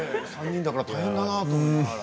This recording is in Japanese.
３人だから大変だなと。